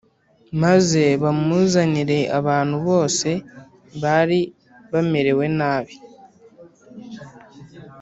maze bamuzanira abantu bose bari bamerewe nabi